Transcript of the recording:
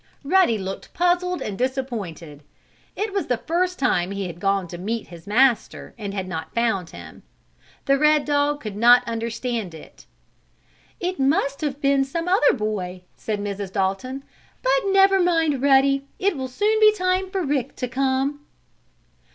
Ruddy looked puzzled and disappointed. It was the first time he had gone to meet his master and had not found him. The red dog could not understand it. "It must have been some other boy," said Mrs. Dalton. "But never mind, Ruddy. It will soon be time for Rick to come."